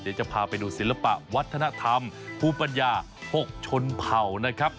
เดี๋ยวจะพาไปดูศิลปะวัฒนธรรมภูมิปัญญา๖ชนเผ่านะครับ